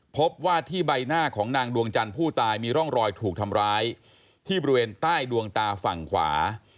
พบว่าที่ใบหน้าของนางดวงจันทร์ผู้ตายมีร่องรอยถูกทำร้ายที่บริเวณใต้ดวงตาฝั่งขวา